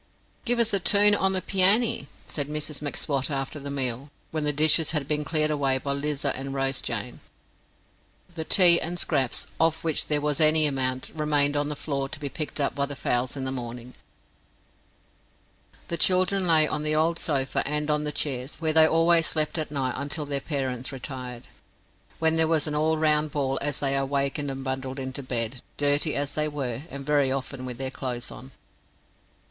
"Give us a toon on the peeany," said Mrs M'Swat after the meal, when the dishes had been cleared away by Lizer and Rose Jane. The tea and scraps, of which there was any amount, remained on the floor, to be picked up by the fowls in the morning. The children lay on the old sofa and on the chairs, where they always slept at night until their parents retired, when there was an all round bawl as they were wakened and bundled into bed, dirty as they were, and very often with their clothes on.